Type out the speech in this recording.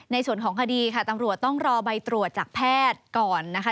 ในส่วนของคดีค่ะตำรวจต้องรอใบตรวจจากแพทย์ก่อนนะคะ